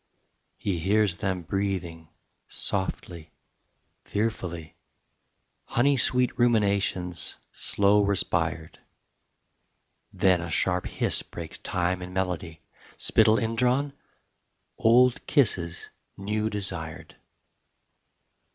He hears them breathing, softly, fearfully, Honey sweet ruminations, slow respired: Then a sharp hiss breaks time and melody Spittle indrawn, old kisses new desired.